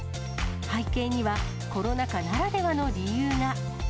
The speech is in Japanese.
背景には、コロナ禍ならではの理由が。